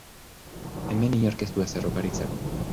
Hemen inork ez du ezer oparitzen.